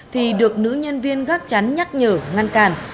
thì được nữ nhân viên gác chắn nhắc nhở ngăn cản